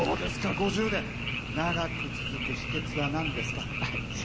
５０年、長く続く秘けつはなんですか？